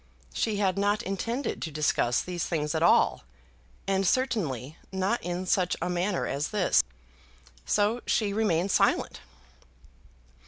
She had not intended to discuss these things at all, and certainly not in such a manner as this. So she remained silent.